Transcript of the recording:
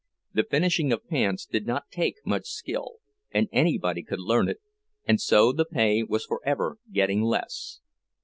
The finishing of pants did not take much skill, and anybody could learn it, and so the pay was forever getting less.